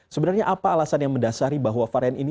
sebenarnya apa alasan yang mendasari bahwa varian ini